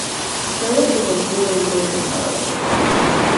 Curtis was a "really" good guitarist ...